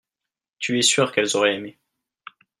tu es sûr qu'elles auraient aimé.